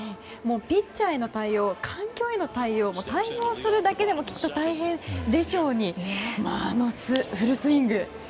ピッチャーへの対応環境への対応も対応するだけでもきっと大変でしょうにあのフルスイング。